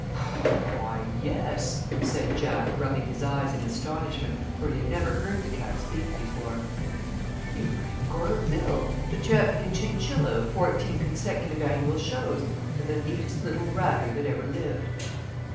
"Why, yes," said Jack, rubbing his eyes in astonishment, for he had never heard the cat speak before. "You are Angora Bill, the Champion Chinchilla of fourteen consecutive annual shows, and the neatest little ratter that ever lived."